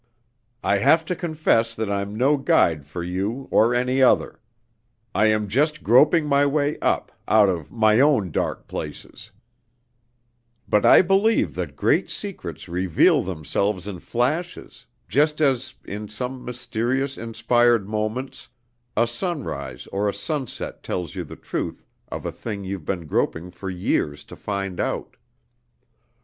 "I have to confess that I'm no guide for you or any other. I am just groping my way up, out of my own dark places; but I believe that great secrets reveal themselves in flashes, just as in some mysterious, inspired moments a sunrise or a sunset tells you the truth of a thing you've been groping for years to find out.